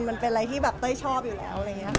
มันเป็นอะไรที่เต้ยชอบอยู่แล้ว